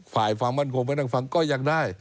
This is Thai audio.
ฝ่ายฝ่ามันคงไปนั่งฟังก็ยังได้